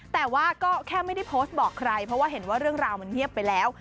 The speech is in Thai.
แต่ว่าก็แค่ไม่ได้โพสต์บอกใครเพราะว่าเห็นว่าเรื่องราวมันเงียบไปแล้ว